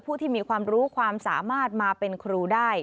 ผู้ที่มีความรู้ความสามารถมาเป็นครูได้